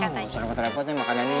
wah mau serabat repot ya makanannya